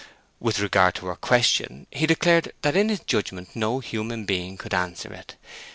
With regard to her question, he declared that in his judgment no human being could answer it.